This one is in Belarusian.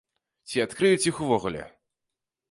Ці адкрыюць іх увогуле?